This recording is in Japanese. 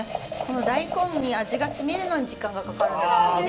大根に味がしみるのに時間がかかるんですもんね。